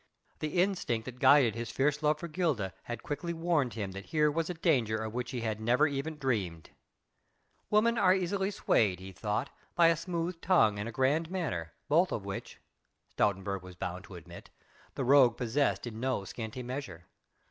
The instinct that guided his fierce love for Gilda, had quickly warned him that here was a danger of which he had never even dreamed. Women were easily swayed, he thought, by a smooth tongue and a grand manner, both of which Stoutenburg was bound to admit the rogue possessed in no scanty measure.